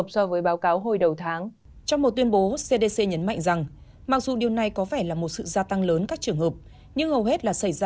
xin chào và hẹn gặp lại